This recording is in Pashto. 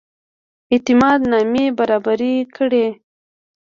اعتماد نامې برابري کړي.